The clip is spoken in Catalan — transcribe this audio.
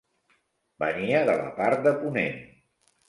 Venia de la part de ponent.